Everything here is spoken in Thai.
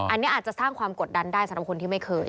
อันนี้อาจจะสร้างความกดดันได้สำหรับคนที่ไม่เคย